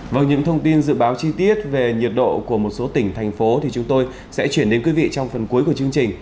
với những thông tin dự báo chi tiết về nhiệt độ của một số tỉnh thành phố thì chúng tôi sẽ chuyển đến quý vị trong phần cuối của chương trình